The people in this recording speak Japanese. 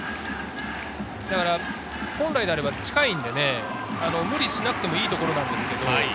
本来であれば近いので無理しなくてもいいところなんですけれど。